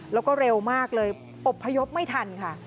แล้วก็เร็วมากเลยอบพยพไม่ทันค่ะ